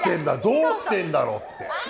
どうしてんだろうって。